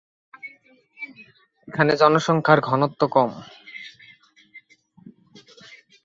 এখানে জনসংখ্যার ঘনত্ব কম।